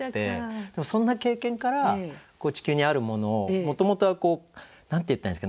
でもそんな経験から地球にあるものをもともとは何て言ったらいいんですかね